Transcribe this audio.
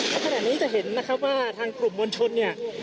ขนาดนี้จะเห็นนะครับว่าทางกลุ่มวรชนเนี่ย